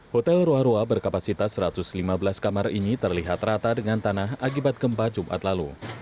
hotel roa roa berkapasitas satu ratus lima belas kamar ini terlihat rata dengan tanah akibat gempa jumat lalu